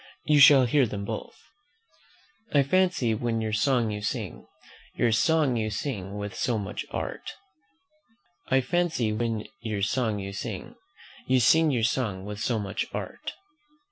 You shall hear them both: "'I fancy, when your song you sing, Your song you sing with so much art,' or, "'I fancy, when your song you sing, You sing your song with so much art.'"